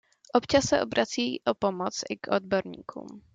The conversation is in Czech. Občas se obrací o pomoc i k odborníkům.